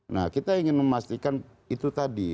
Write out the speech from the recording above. nah kita ingin memastikan itu tadi